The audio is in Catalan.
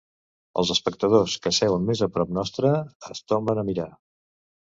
Els espectadors que seuen més a prop nostre es tomben a mirar.